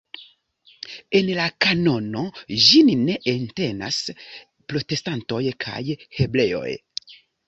En la kanono ĝin ne entenas protestantoj kaj hebreoj.